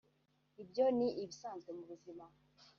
ibyo ni ibisanzwe mu buzima